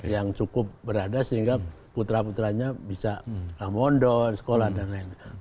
yang cukup berada sehingga putra putranya bisa mondo di sekolah dan lain lain